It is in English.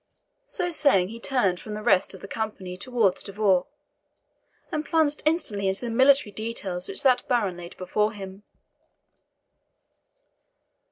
So saying, he turned from the rest of the company towards De Vaux, and plunged instantly into the military details which that baron laid before him.